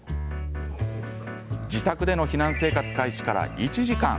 自宅での避難生活開始から１時間。